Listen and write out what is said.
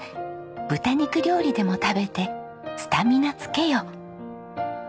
「豚肉料理でも食べてスタミナつけよ」